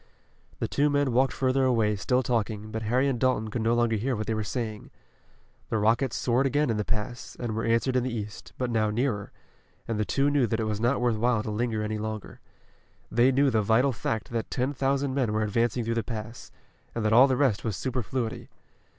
The two men walked further away, still talking, but Harry and Dalton could no longer hear what they were saying. The rockets soared again in the pass, and were answered in the east, but now nearer, and the two knew that it was not worth while to linger any longer. They knew the vital fact that ten thousand men were advancing through the pass, and that all the rest was superfluity.